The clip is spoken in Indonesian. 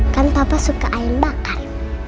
kan papa suka air bakar